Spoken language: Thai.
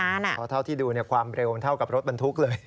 เพราะเท่าที่ดูความเร็วเท่ากับรถบรรทุกเลย